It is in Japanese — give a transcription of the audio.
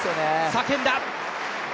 叫んだ。